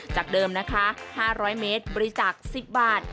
จากเดิมนะคะ๕๐๐เมตรบริจาค๑๐บาท